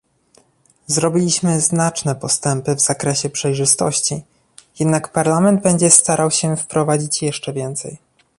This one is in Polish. Zrobiliśmy znaczne postępy w zakresie przejrzystości, jednak Parlament będzie starał się wprowadzić jeszcze więcej